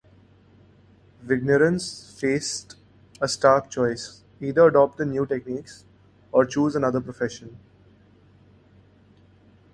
Vignerons faced a stark choice, either adopt the new techniques, or choose another profession.